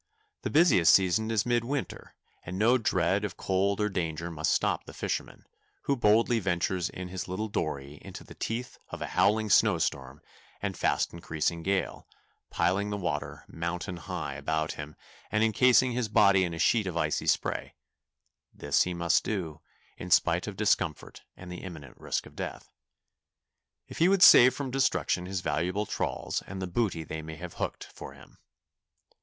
The busiest season is midwinter, and no dread of cold or danger must stop the fisherman, who boldly ventures in his little dory into the teeth of a howling snow storm and fast increasing gale, piling the water "mountain high" about him and encasing his body in a sheet of icy spray; this must he do, in spite of discomfort and the imminent risk of death, if he would save from destruction his valuable trawls and the booty they may have hooked for him.